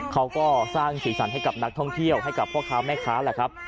เขาก็สร้างสีสันให้กับนักท่องเที่ยวให้กับพ่อค้าแม่ค้าแหละครับ